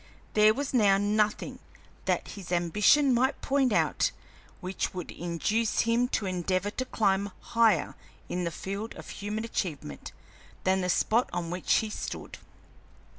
There was now nothing that his ambition might point out which would induce him to endeavor to climb higher in the field of human achievement than the spot on which he stood.